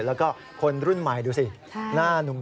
และก็บางคนรุ่นใหม่นุ่ม